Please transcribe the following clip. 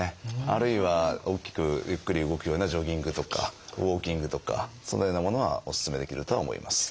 あるいは大きくゆっくり動くようなジョギングとかウォーキングとかそのようなものはお勧めできるとは思います。